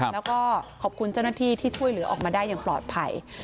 แล้วก็ขอบคุณเจ้าหน้าที่ที่ช่วยเหลือออกมาได้อย่างปลอดภัย